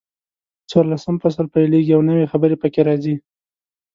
څلورلسم فصل پیلېږي او نوي خبرې پکې راځي.